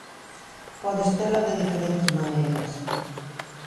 Podes tela de diferentes maneiras.